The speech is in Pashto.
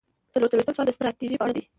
څلور څلویښتم سوال د ستراتیژۍ په اړه دی.